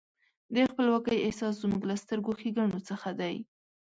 د خپلواکۍ احساس زموږ له سترو ښېګڼو څخه دی.